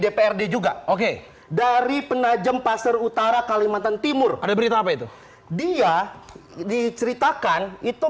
dprd juga oke dari penajem pasir utara kalimantan timur ada berita apa itu dia diceritakan itu